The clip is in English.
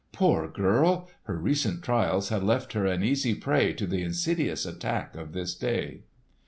Poor girl! her recent trials had left her an easy prey to the insidious attack of this day.